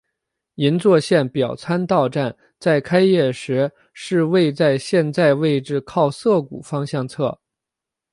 银座线表参道站在开业时是位在现在位置靠涩谷方向侧。